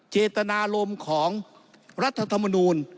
เจตนารมณ์ของรัฐธรรมนูล